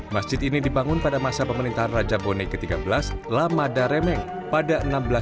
masjid ini dibangun pada masa pemerintahan raja boneh ke tiga belas lamada remeng pada seribu enam ratus tiga puluh sembilan